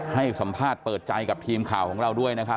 ให้สัมภาษณ์เปิดใจกับทีมข่าวของเราด้วยนะครับ